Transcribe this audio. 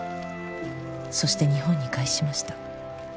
「そして日本に帰しました」